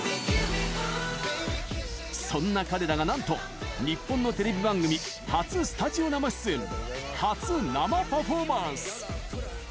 そんな彼らがなんと、日本のテレビ番組初スタジオ生出演初生パフォーマンス。